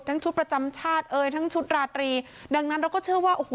ชุดประจำชาติเอ่ยทั้งชุดราตรีดังนั้นเราก็เชื่อว่าโอ้โห